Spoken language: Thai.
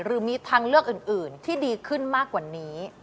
หรือมีทางเลือกอื่นที่ดีขึ้นมากกว่านี้